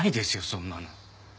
そんなの。